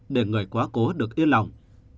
để người quá cố được yên lòng